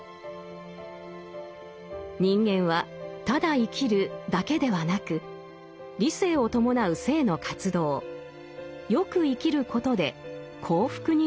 人間は「ただ生きる」だけではなく理性を伴う生の活動「善く生きる」ことで「幸福」になるのです。